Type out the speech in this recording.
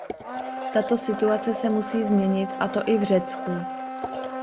Tato situace se musí změnit, a to i v Řecku.